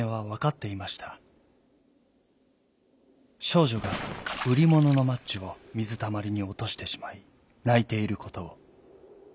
しょうじょがうりもののマッチをみずたまりにおとしてしまいないていることを。